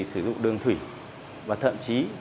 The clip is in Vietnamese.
sử dụng đường thủy và thậm chí